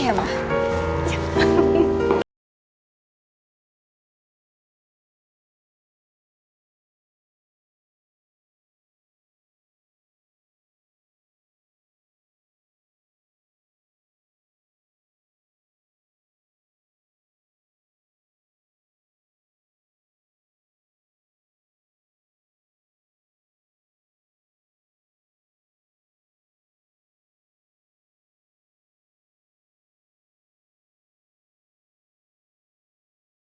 masa masa akan luaran iu